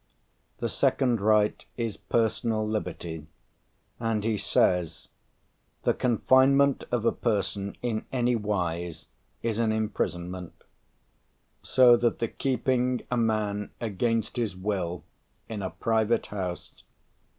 The second right is personal liberty, and he says: "the confinement of a person in anywise is an imprisonment. So that the keeping; a man against his will in a private house....